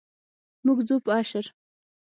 موږ ځو په اشر.